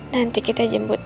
nanti kita jemputnya